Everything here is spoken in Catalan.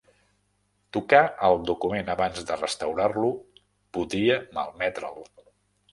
Tocar el document abans de restaurar-lo podia malmetre'l.